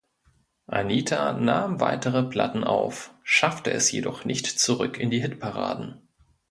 Anita nahm weitere Platten auf, schaffte es jedoch nicht zurück in die Hitparaden.